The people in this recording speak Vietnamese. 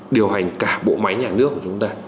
điều hành cả bộ máy nhà nước của chúng ta